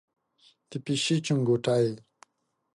د پیشۍ چنګوټی،